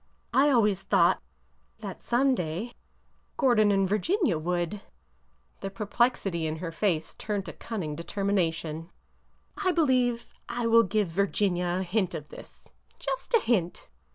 '' I always thought ... that some day ... Gordon and Virginia would— the perplexity in her face turned to cunning determination — I believe — I will give Virginia a hint of this— just a hint.